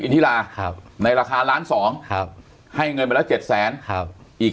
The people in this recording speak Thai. อินธิลาครับในราคาล้านสองครับให้เงินมาละ๗๐๐บาทครับอีก